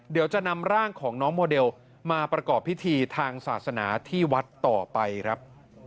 เดี๋ยวจะนำร่างของน้องโมเดลมาประกอบพิธีทางศาสนาที่วัดต่อไปครับ